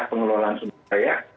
pengelolaan sumber daya